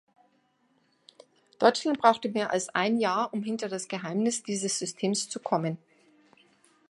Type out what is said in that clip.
Deutschland brauchte mehr als ein Jahr, um hinter das Geheimnis dieses Systems zu kommen.